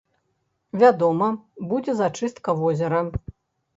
Вядома, будзе зачыстка возера.